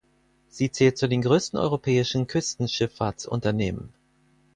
Sie zählt zu den größten europäischen Küstenschifffahrtsunternehmen.